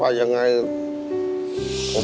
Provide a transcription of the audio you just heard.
ผมคิดว่าสงสารแกครับ